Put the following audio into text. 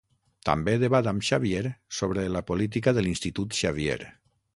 També debat amb Xavier sobre la política de l'Institut Xavier.